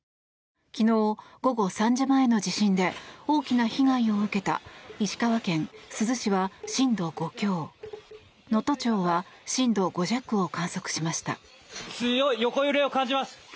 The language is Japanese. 昨日午後３時前の地震で大きな被害を受けた石川県珠洲市は震度５強能登町は震度５弱を観測しました。